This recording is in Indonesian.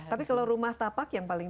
tapi kalau rumah tapak yang paling